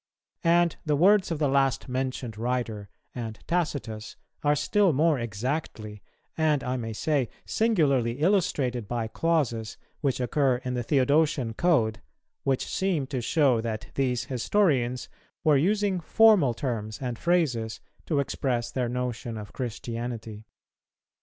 "[230:2] And the words of the last mentioned writer and Tacitus are still more exactly, and, I may say, singularly illustrated by clauses which occur in the Theodosian code; which seem to show that these historians were using formal terms and phrases to express their notion of Christianity.